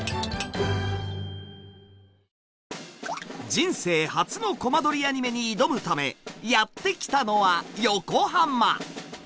人生初のコマ撮りアニメに挑むためやってきたのは横浜！